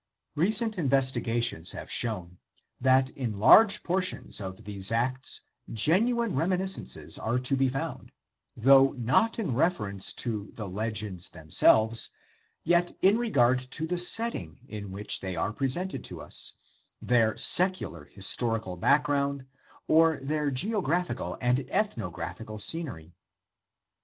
Recent investigations have shown that in large portions of these Acts genuine reminiscences are to be found, though not in reference to the legends themselves, yet in regard to the setting in which they are presented to us, their secular XIV INTRODUCTION historical background, or their geographical and ethnograph ical scenery.